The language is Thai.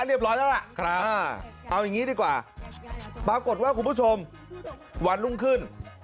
เอ้าอย่างนี้ดีกว่าปรากฏว่าคุณผู้ชมวันรุ่งขึ้น